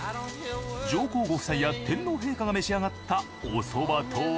上皇ご夫妻や天皇陛下が召し上がったおそばとは？